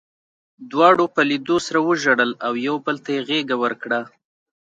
دواړو په لیدو سره وژړل او یو بل ته یې غېږه ورکړه